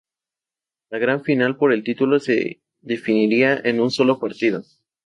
La gran final por el título se definirá en un solo partido.